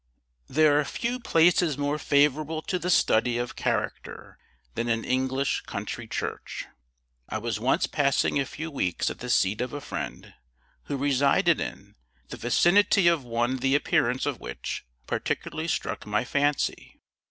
THERE are few places more favorable to the study of character than an English country church. I was once passing a few weeks at the seat of a friend who resided in, the vicinity of one the appearance of which particularly struck my fancy.